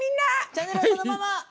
チャンネルはそのまま！